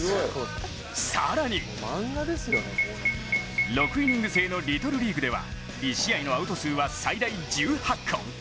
更に６イニング制のリトルリーグでは１試合のアウト数は最大１８個。